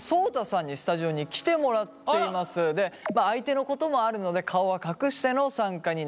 でまあ相手のこともあるので顔は隠しての参加になります。